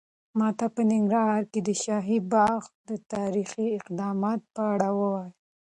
ماته په ننګرهار کې د شاهي باغ د تاریخي قدامت په اړه ووایه.